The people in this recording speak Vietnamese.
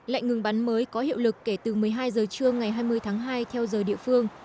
lệnh ngừng bắn mới có hiệu lực kể từ một mươi hai giờ trưa ngày hai mươi tháng hai